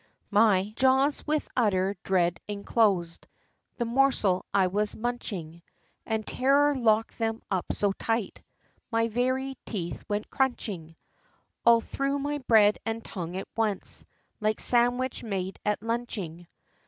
V. My jaws with utter dread enclos'd The morsel I was munching, And terror lock'd them up so tight, My very teeth went crunching All through my bread and tongue at once, Like sandwich made at lunching.